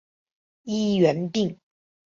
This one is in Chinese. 医源病。